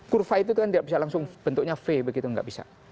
kurva itu kan tidak bisa langsung bentuknya v begitu nggak bisa